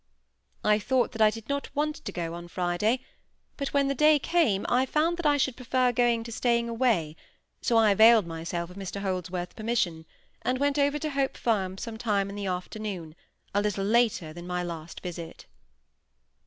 I thought that I did not want to go on Friday; but when the day came, I found that I should prefer going to staying away, so I availed myself of Mr Holdsworth's permission, and went over to Hope Farm some time in the afternoon, a little later than my last visit.